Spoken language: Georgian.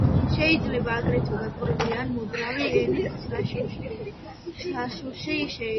შეიძლება აგრეთვე გასწორებული ან მოძრავი ენის საშოში შეყვანა.